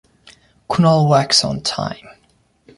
Kunal works on time.